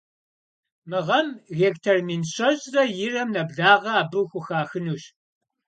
Мы гъэм гектар мин щэщӀрэ ирэм нэблагъэ абы хухахынущ.